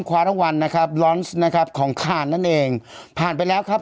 คว้ารางวัลนะครับลอนซ์นะครับของคานนั่นเองผ่านไปแล้วครับ